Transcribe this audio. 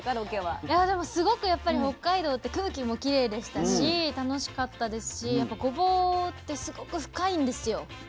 いやでもすごく北海道って空気もきれいでしたし楽しかったですしやっぱごぼうってすごく深いんですよ。